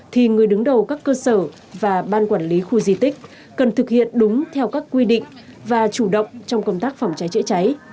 thì người đứng đầu các cơ sở và ban quản lý khu di tích cần thực hiện đúng theo các quy định và chủ động trong công tác phòng cháy chữa cháy